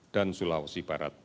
dan sulawesi barat